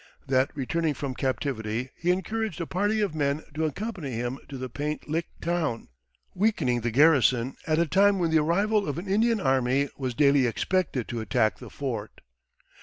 That returning from captivity, he encouraged a party of men to accompany him to the Paint Lick Town, weakening the garrison at a time when the arrival of an Indian army was daily expected to attack the fort.